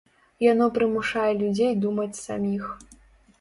Яно прымушае людзей думаць саміх.